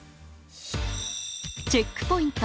チェックポイント